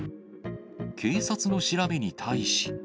警察の調べに対し。